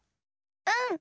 うん！